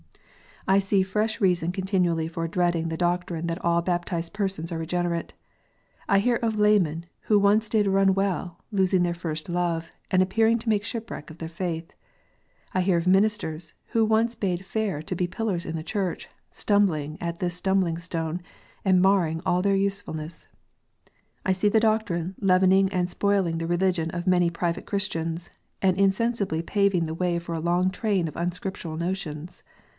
I see fresh reason continually for dreading the doctrine that all baptized persons are regenerate. I hear of laymen who once did run well, losing their first love, and appearing to make ship wreck of their faith. I hear of ministers, who once bade fair to be pillars in the Church, stumbling at this stumbling stone, and marring all their usefulness. I see the doctrine leavening and spoiling the religion of many private Christians, and insensibly paving the way for a long train of unscriptural notions.